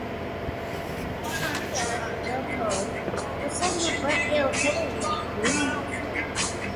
Most honeyguides are dull-colored, though some have bright yellow coloring in the plumage.